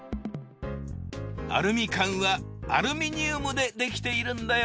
アルミ缶はアルミニウムでできているんだよ。